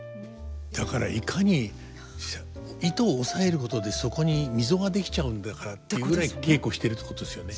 だからいかに糸を押さえることでそこに溝が出来ちゃうんだからっていうぐらい稽古してるってことですよね。